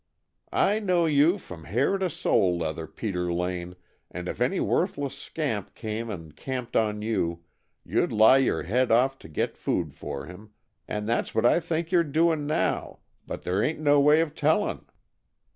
"I know you from hair to sole leather, Peter Lane, and if any worthless scamp came and camped on you, you'd lie your head off to get food for him, and that's what I think you 're doing now, but there ain't no way of telling.